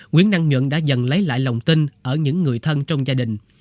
nguyễn năng nhận đã dần lấy lại lòng tin ở những người thân trong gia đình